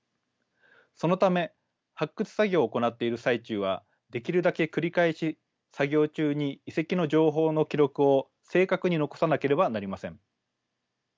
そのため発掘作業を行っている最中はできるだけ繰り返し作業中に遺跡の情報の記録を正確に残さなければなりません。